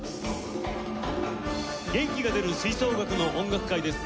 「元気が出る吹奏楽の音楽会」です。